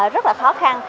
rất là khó khăn